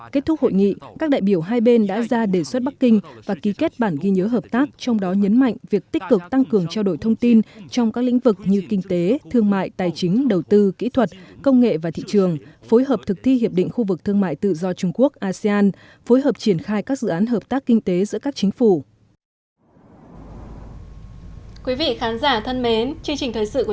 kết thúc hội nghị các đại biểu hai bên đã ra đề xuất bắc kinh và ký kết bản ghi nhớ hợp tác trong đó nhấn mạnh việc tích cực tăng cường trao đổi thông tin trong các lĩnh vực như kinh tế thương mại tài chính đầu tư kỹ thuật công nghệ và thị trường phối hợp thực thi hiệp định khu vực thương mại tự do trung quốc asean phối hợp triển khai các dự án hợp tác kinh tế giữa các chính phủ